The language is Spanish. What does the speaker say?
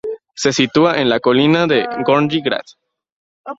Se sitúa en la colina de Gornji Grad.